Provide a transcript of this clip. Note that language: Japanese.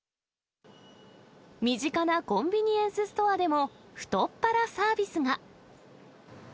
身近なコンビニエンスストアでも太っ腹サービスが。